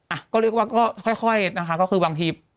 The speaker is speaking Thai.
อ่ะก็เรียกว่าก็ค่อยนะคะก็คือบางที